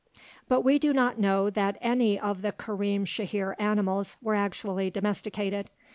But we do not know that any of the Karim Shahir animals were actually domesticated.